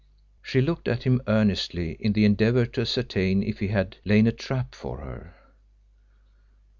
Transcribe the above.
She looked at him earnestly in the endeavour to ascertain if he had laid a trap for her.